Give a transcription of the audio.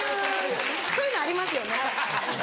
そういうのありますよね。